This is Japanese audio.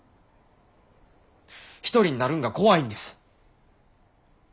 一人になるんが怖いんです。